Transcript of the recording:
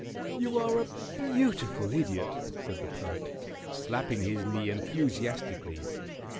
"You are a beautiful Idiot," said the Poet, slapping his knee enthusiastically.